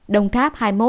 đồng tháp hai mươi một